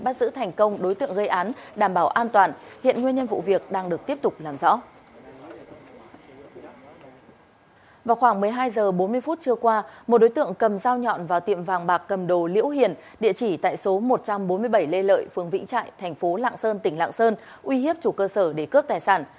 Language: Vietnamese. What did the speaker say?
trước bốn mươi phút trưa qua một đối tượng cầm dao nhọn vào tiệm vàng bạc cầm đồ liễu hiền địa chỉ tại số một trăm bốn mươi bảy lê lợi phương vĩnh trại thành phố lạng sơn tỉnh lạng sơn uy hiếp chủ cơ sở để cướp tài sản